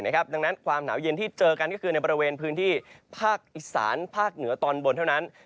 ดังนั้นความหนาวเย็นที่เจอกันก็คือในบริเวณพื้นที่ภาคอีสานภาคเหนือตอนบนเท่านั้น